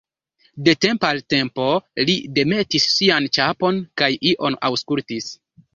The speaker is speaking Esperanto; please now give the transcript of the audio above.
De tempo al tempo li demetis sian ĉapon kaj ion aŭskultis.